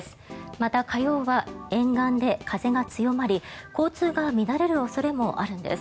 また、火曜は沿岸で風が強まり交通が乱れる恐れもあるんです。